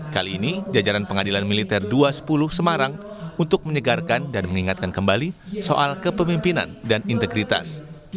kali ini jajaran pengadilan militer dua ratus sepuluh semarang untuk menyegarkan dan mengingatkan kembali soal kepemimpinan dan integritas